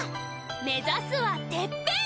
目指すはてっぺん！